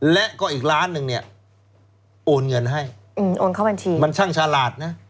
และก็อีกล้านหนึ่งเนี่ยโอนเงินให้อืมโอนเข้าบัญชีมันช่างฉลาดนะ